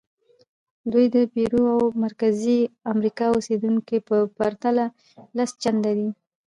دوی د پیرو او مرکزي امریکا اوسېدونکو په پرتله لس چنده دي.